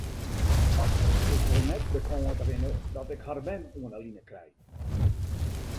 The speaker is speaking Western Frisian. Ik wol net de kâns rinne dat ik har mem oan 'e line krij.